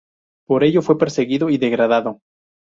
Por ello fue perseguido y degradado.